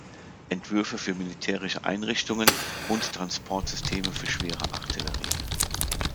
Entwürfe für militärische Einrichtungen und Transportsysteme für schwere Artillerie.